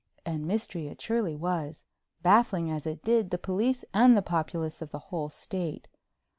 And mystery it surely was, baffling, as it did, the police and the populace of the whole state.